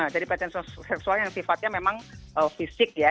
jadi pelecehan seksual yang sifatnya memang fisik ya